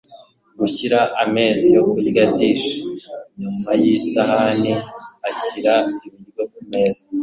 gushira ameza yo kurya. dish nyuma yisahani, ashyira ibiryo kumeza